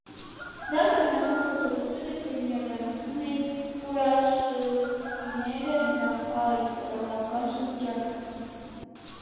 Դա կրոնական գործողություն էր, որ իրականացնում էին կուրայշցիները նախաիսլամական շրջանում։